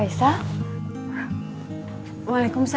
lisah kita kayak cuma ber ehr nya gitu ya